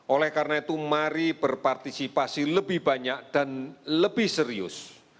oleh karena itu mari berpartisipasi lebih banyak dan lebih serius